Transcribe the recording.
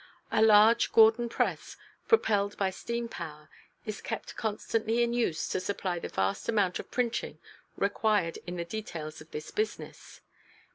A large Gordon press, propelled by steam power, is kept constantly in use to supply the vast amount of printing required in the details of this business.